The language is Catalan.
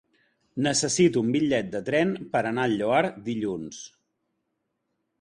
Necessito un bitllet de tren per anar al Lloar dilluns.